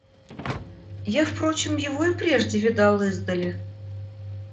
Я, впрочем, его и прежде видал издали.